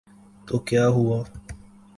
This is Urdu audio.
تو کیا ہوا۔